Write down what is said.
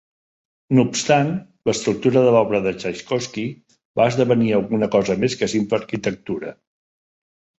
No obstant, l'estructura de l'obra de Tchaikovsky va esdevenir alguna cosa més que simple arquitectura.